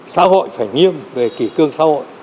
xã hội phải nghiêm về kỷ cương xã hội